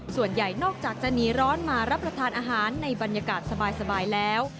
ส่วนใหญ่นอกจากจะหนีร้อนมารับประทานอาหารในบรรยากาศสบายแล้ว